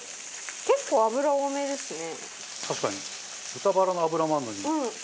結構、脂、多めですね。